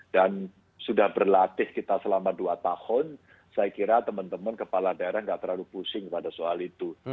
sudah berlatih kita selama dua tahun saya kira teman teman kepala daerah nggak terlalu pusing pada soal itu